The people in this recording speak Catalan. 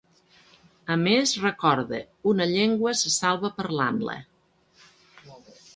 A més, recorda: Una llengua se salva parlant-la.